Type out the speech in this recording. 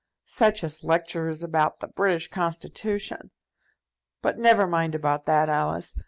"Such as lectures about the British Constitution! But never mind about that, Alice.